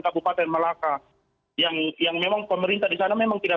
kabupaten melaka yang memang pemerintah di sana memang tidak